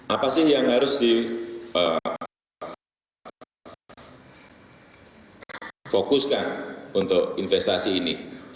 apa sih yang harus difokuskan untuk investasi ini